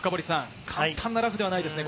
簡単なラフではないですね。